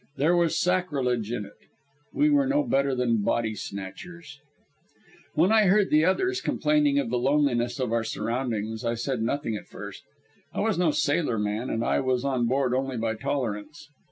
There was sacrilege in it. We were no better than body snatchers. When I heard the others complaining of the loneliness of our surroundings, I said nothing at first. I was no sailor man, and I was on board only by tolerance.